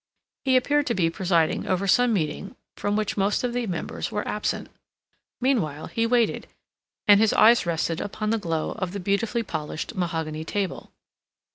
He appeared to be presiding over some meeting from which most of the members were absent. Meanwhile, he waited, and his eyes rested upon the glow of the beautifully polished mahogany table.